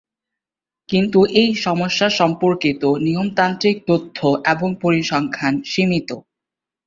কিন্তু এই সমস্যা সম্পর্কিত নিয়মতান্ত্রিক তথ্য এবং পরিসংখ্যান সীমিত।